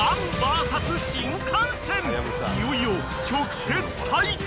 ［いよいよ直接対決！］